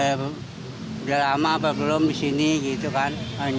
ya udah lama apa belum di sini gitu kan